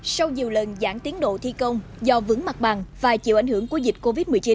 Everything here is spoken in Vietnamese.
sau nhiều lần giãn tiến độ thi công do vững mặt bằng và chịu ảnh hưởng của dịch covid một mươi chín